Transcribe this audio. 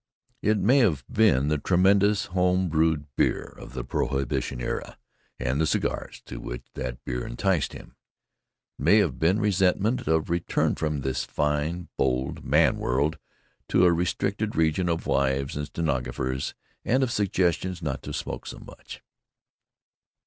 It may have been the tremendous home brewed beer of the prohibition era and the cigars to which that beer enticed him; it may have been resentment of return from this fine, bold man world to a restricted region of wives and stenographers, and of suggestions not to smoke so much.